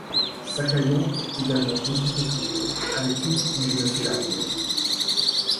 Sakayan est également beaucoup contribué à l'étude du Génocide arménien.